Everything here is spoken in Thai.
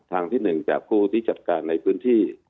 ทางที่๑จากผู้ที่จัดการในพื้นที่